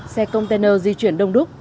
xe container di chuyển đông đúc